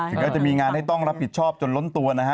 ก็จะมีงานให้ต้องรับผิดชอบจนล้นตัวนะฮะ